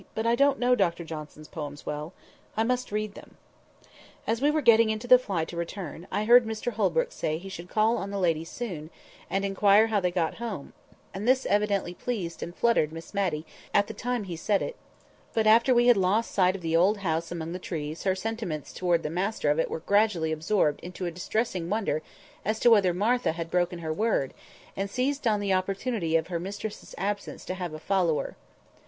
"But I don't know Dr Johnson's poems well. I must read them." As we were getting into the fly to return, I heard Mr Holbrook say he should call on the ladies soon, and inquire how they got home; and this evidently pleased and fluttered Miss Matty at the time he said it; but after we had lost sight of the old house among the trees her sentiments towards the master of it were gradually absorbed into a distressing wonder as to whether Martha had broken her word, and seized on the opportunity of her mistress's absence to have a "follower."